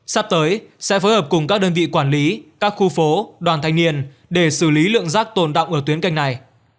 sắp tới sẽ phối hợp cùng các đơn vị quản lý các khu phố đoàn thanh niên để xử lý lượng rác tồn động ở tuyến canh này